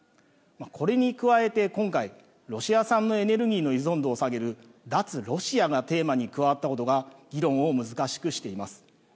これに加えて今回、ロシア産のエネルギーの依存度を下げる脱ロシアがテーマに加わったことが議論を難しくしています。